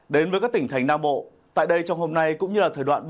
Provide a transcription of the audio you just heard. đến với các tỉnh thành nam bộ tại đây trong hôm nay cũng như là thời đoạn